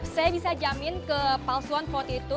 saya bisa jamin kepalsuan foto itu